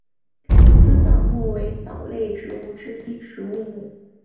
丝藻目为藻类植物之一植物目。